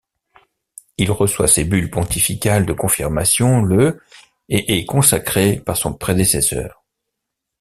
Il reçoit ses bulles pontificales de confirmation le et est consacré par son prédécesseur.